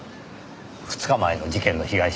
２日前の事件の被害者